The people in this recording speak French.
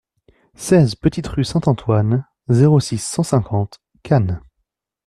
seize petite Rue Saint-Antoine, zéro six, cent cinquante, Cannes